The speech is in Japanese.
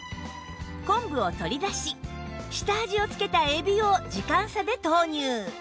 昆布を取り出し下味を付けたエビを時間差で投入